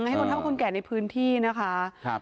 ให้คนเท่าคนแก่ในพื้นที่นะคะ